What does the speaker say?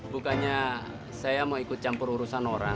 bukannya saya mau ikut campur urusan orang